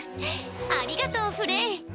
ありがとうフレイ。